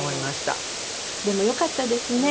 でもよかったですね。